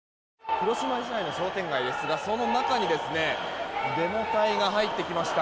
広島市内の商店街ですがその中にデモ隊が入ってきました。